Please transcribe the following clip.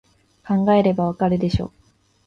考えればわかるでしょ